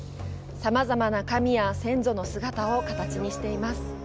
さまざまな神や先祖の姿を形にしています。